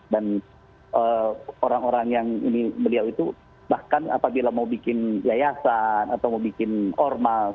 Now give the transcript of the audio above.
dan orang orang yang ini beliau itu bahkan apabila mau bikin yayasan atau mau bikin ormas